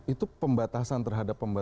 itu pembatasan terhadap